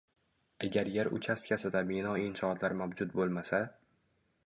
Agar yer uchastkasida bino inshootlar mavjud boʼlmasa